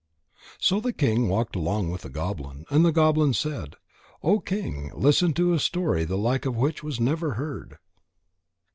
_ So the king walked along with the goblin. And the goblin said: "O king, listen to a story the like of which was never heard."